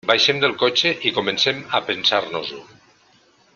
Baixem del cotxe i comencem a pensar-nos-ho.